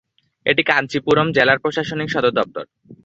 এটি কাঞ্চীপুরম জেলার প্রশাসনিক সদর দফতর।